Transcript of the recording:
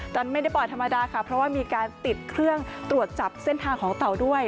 แต่ไม่ได้ปล่อยธรรมดาค่ะเพราะว่ามีการติดเครื่องตรวจจับเส้นทางของเต่าด้วย